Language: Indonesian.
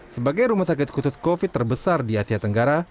sebagai rumah sakit khusus covid terbesar di asia tenggara